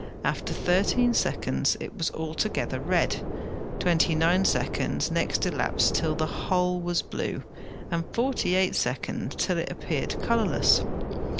After thirteen seconds it was altogether red; twenty nine seconds next elapsed till the whole was blue, and forty eight seconds till it appeared colourless.